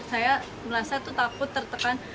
saya merasa itu takut tertekan